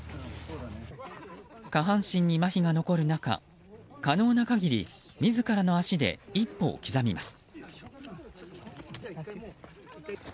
下半身にまひが残る中可能な限り、自らの足で一歩を刻みます。